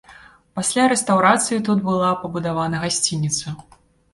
Пасля рэстаўрацыі тут была пабудавана гасцініца.